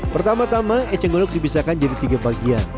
pertama tama eceng gondok dipisahkan jadi tiga bagian